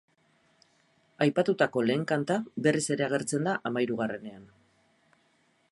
Aipatutako lehen kanta berriz ere agertzen da hamairugarrenean.